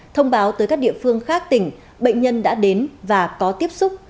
thông báo tới các địa phương khác tỉnh bệnh nhân đã đến và có tiếp xúc